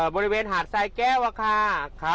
บริเวณหาดสายแก้วแล้วค่ะ